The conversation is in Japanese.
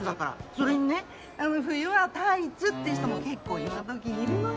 それにね冬はタイツって人も結構今どきいるのよ。